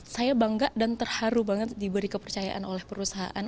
saya bangga dan terharu banget diberi kepercayaan oleh perusahaan